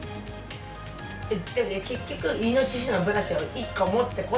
でも結局イノシシのブラシは１個持っとこう。